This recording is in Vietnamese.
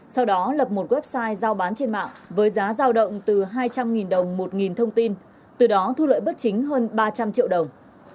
sau đó lập một website giao bán trên mạng với giá giao động từ hai trăm linh đồng một thông tin từ đó thu lợi bất chính hơn ba trăm linh triệu đồng